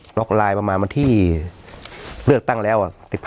ปดดกดไลน์ประมาณเหมือนที่เลือกตั้งแล้ว๑๕๑๖